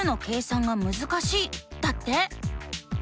だって。